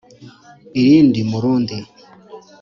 irindi mu rundi